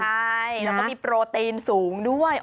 ใช่แล้วก็มีโปรตีนสูงด้วย